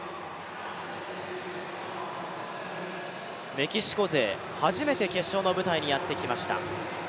メキシコ勢、初めて決勝の舞台にやってきました。